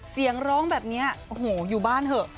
เสียงร้องแบบนี้โอ้โหอยู่บ้านเถอะ